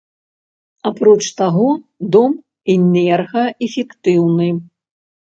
Апроч таго, дом энергаэфектыўны.